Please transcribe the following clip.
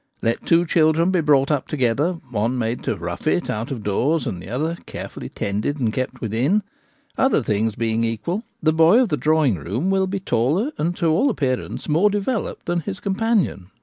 Let two children be brought up together, one made to ' rough ' it out of doors, and the other carefully tended and kept within ; other things being equal, the boy of the drawing room will be taller and to all ap pearance more developed than his companion.